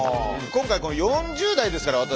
今回４０代ですから私。